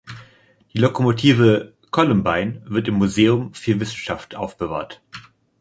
Die Lokomotive „Columbine“ wird im Museum für Wissenschaft aufbewahrt.